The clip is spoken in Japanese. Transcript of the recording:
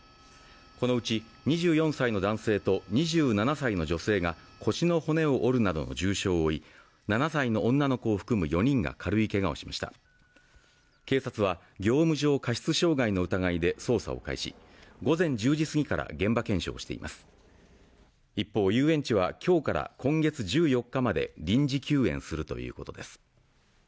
このうち２４歳の男性と２７歳の女性が腰の骨を折るなどの重傷を負い７歳の女の子を含む４人が軽いけがをしました警察は業務上過失傷害の疑いで捜査を開始午前１０時過ぎから現場検証をしています一方遊園地はきょうから今月１４日まで臨時休園するということです